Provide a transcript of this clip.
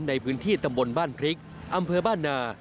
ในพื้นที่ตำบลบ้านพริกอำเภอบ้านนา